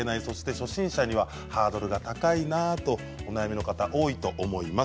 初心者にはハードルが高いとお悩みの方多いと思います。